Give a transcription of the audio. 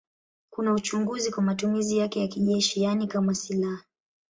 Kuna uchunguzi kwa matumizi yake ya kijeshi, yaani kama silaha.